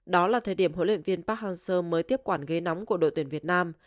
đó là thời điểm huấn luyện viên park hang seo mới tiếp quản ghế nóng của đội tuyển việt nam